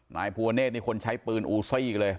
นายพุหวเนธคนใช้ปืนอู้ซ่อยอีกละเลย